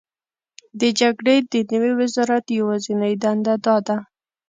د جګړې د نوي وزرات یوازینۍ دنده دا ده: